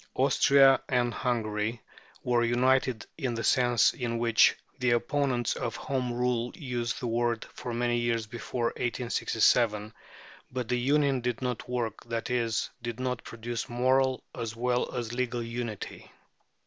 Austria and Hungary were united in the sense in which the opponents of Home Rule use the word for many years before 1867, but the union did not work, that is, did not produce moral as well as legal unity.